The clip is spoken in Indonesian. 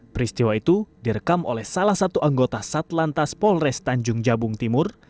peristiwa itu direkam oleh salah satu anggota satlantas polres tanjung jabung timur